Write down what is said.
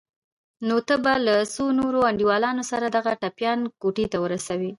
نو ته به له څو نورو انډيوالانو سره دغه ټپيان کوټې ته ورسوې.